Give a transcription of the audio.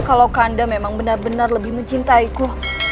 kalau anda memang benar benar lebih mencintaiku